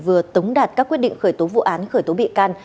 vừa tống đạt các quyết định khởi tố vụ án khởi tố bị can